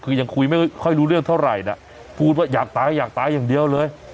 คือยังคุยไม่ค่อยรู้เรื่องเท่าไหร่นะพูดว่าอยากตายอยากตายอย่างเดียวเลย